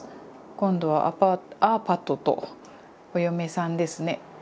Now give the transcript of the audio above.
今度はアパートアーパトとお嫁さんですね。